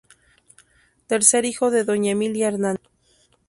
Tercer hijo de Doña Emilia Hernández.